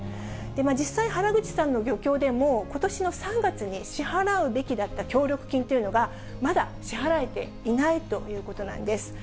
実際、原口さんの漁協でもことしの３月に支払うべきだった協力金というのが、まだ支払えていないということなんです。